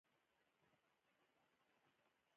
اطاعت د اسلام د سیاسی نظام له اصولو څخه مهم اصل ګڼل کیږی